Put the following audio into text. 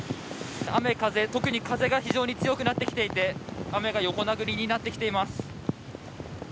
雨、風、特に風が非常に強くなってきていて雨が横殴りになってきています。